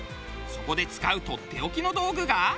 そこで使うとっておきの道具が。